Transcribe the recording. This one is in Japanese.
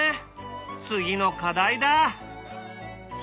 次の課題だ。